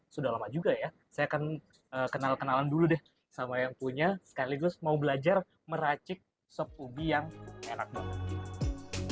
sudah lama juga ya saya akan kenal kenalan dulu deh sama yang punya sekaligus mau belajar meracik sop ubi yang enak banget